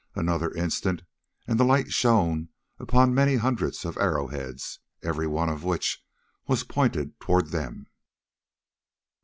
Another instant and the light shone upon many hundreds of arrow heads, every one of which was pointed towards them.